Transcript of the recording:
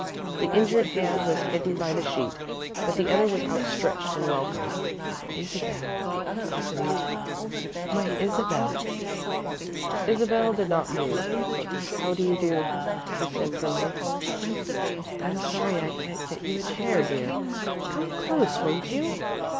The injured hand was hidden by the sheet, but the other was outstretched in welcome. "Isabel," he breathed. "My Isabel!" Isabel did not move. "How do you do?" she said primly. "I'm sorry I can't get you a chair, dear. Come close, won't you?"